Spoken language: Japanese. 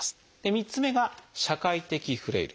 ３つ目が「社会的フレイル」。